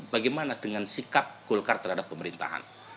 bagaimana dengan sikap golkar terhadap pemerintahan